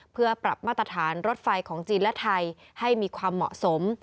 เพื่อปรับมาตรฐานรถไฟของจีนและไทยให้มีความเหมาะสม